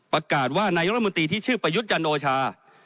ประกาศว่านายรัฐมนตรีที่ชื่อประยุทธ์จันโอชา